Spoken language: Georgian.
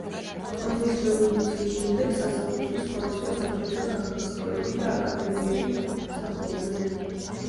ოქტომბრის რევოლუციის შემდეგ სასახლეში სხვადასხვა საბჭოთა სამინისტროები და აკადემიები სახლობდნენ.